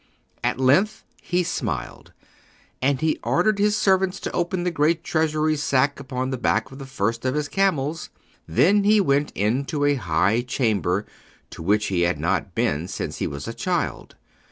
At length he smiled, and he ordered his servants to open the great treasure sack upon the back of the first of his camels. Then he went into a high chamber to which he had not been since he was a child.